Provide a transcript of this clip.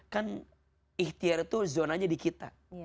kan ikhtiar itu zonanya di kita